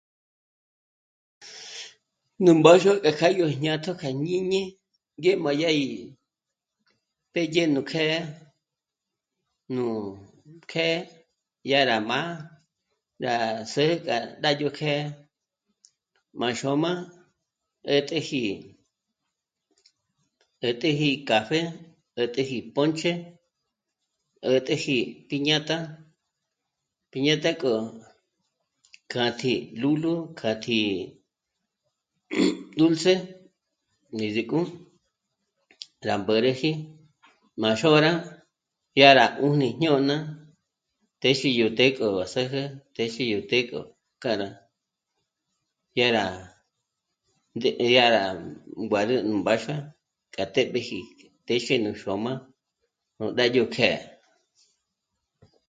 Nú mbáxua k'a kjâ'a yó jñátjo kja jñíñi ngé má dyá gí pédye nú kjë́'ë nú... kjë́'ë dyá rá má rá s'é'e k'a ndá yó kjë́'ë má xôm'a 'ä̀t'äji, 'ä̀t'äji café, 'ä̀t'äji ponche, 'ä̀t'äji piñata, piñata k'o kjâ'a tí lúlu kjâ'a tí dulce ngízik'o rá mbä̌reji má xôra dyárá 'ùni jñôna téxi yó të́'ë k'o rá s'ä̌jä, téxi yó të́'ë k'o k'âra, dyá rá ndé... dyá rá nguárü nú mbáxua k'a té'b'eji téxe nú xôm'a 'ó ndé yó kjë́'ë